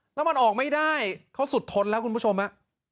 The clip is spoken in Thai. แล้วมันออกไม่ได้เขาสุดทนแล้วคุณผู้ชม